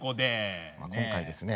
まあ今回ですね